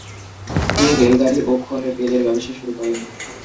তিনি রেলগাড়ি ও খনির তেলের ব্যবসা শুরু করেন।